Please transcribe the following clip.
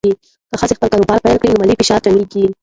که ښځه خپل کاروبار پیل کړي، نو مالي فشار کمېږي.